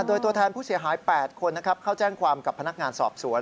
โดยตัวแทนผู้เสียหาย๘คนเข้าแจ้งความกับพนักงานสอบสวน